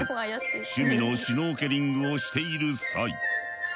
趣味のシュノーケリングをしている際。